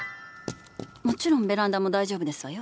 もちろんベランダも大丈夫ですわよ。